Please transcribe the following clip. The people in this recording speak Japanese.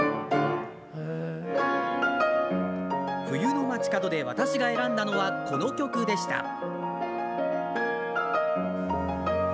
冬の街角で私が選んだのはこの曲でした。